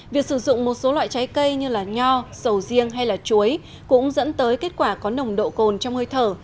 việc sử dụng một số loại trái cây như nho sầu riêng hay chuối cũng dẫn tới kết quả có nồng độ cồn trong hơi thở